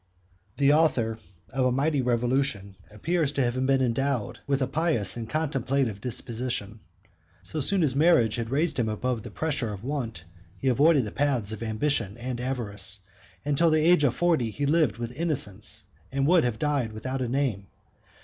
The author of a mighty revolution appears to have been endowed with a pious and contemplative disposition: so soon as marriage had raised him above the pressure of want, he avoided the paths of ambition and avarice; and till the age of forty he lived with innocence, and would have died without a name.